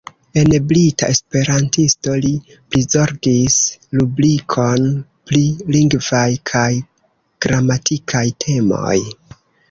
En Brita Esperantisto li prizorgis rubrikon pri lingvaj kaj gramatikaj temoj.